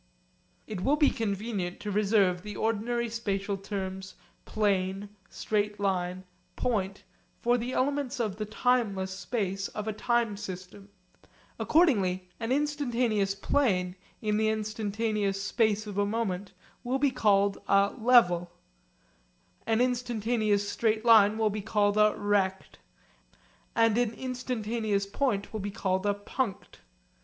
It will be convenient to reserve the ordinary spatial terms 'plane,' 'straight line,' 'point' for the elements of the timeless space of a time system. Accordingly an instantaneous plane in the instantaneous space of a moment will be called a 'level,' an instantaneous straight line will be called a 'rect,' and an instantaneous point will be called a 'punct.'